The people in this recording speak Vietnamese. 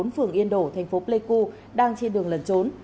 phường yên đổ thành phố pleiku đang trên đường lần trốn